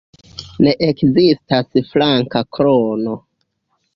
Ne ekzistas flanka krono.